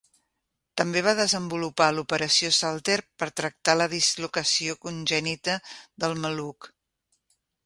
També va desenvolupar l'operació Salter per tractar la dislocació congènita del maluc.